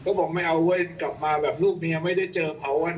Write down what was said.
ก็บอกไม่เอาเว้ยกลับมาแบบลูกเมียไม่ได้เจอเขา